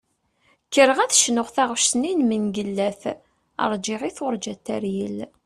Kkreɣ ad d-cnuɣ taɣect-nni n Mengellat "Rğiɣ i turğa teryel".